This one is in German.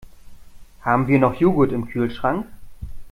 Haben wir noch Joghurt im Kühlschrank?